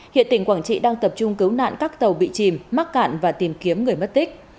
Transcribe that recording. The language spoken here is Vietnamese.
hiện tỉnh quảng trị đang tập trung cứu nạn các tàu bị chìm mắc cạn và tìm kiếm người mất tích